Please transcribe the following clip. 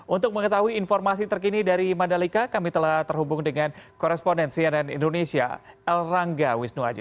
untuk mengetahui informasi terkini dari mandalika kami telah terhubung dengan koresponen cnn indonesia el ranga wisnu aji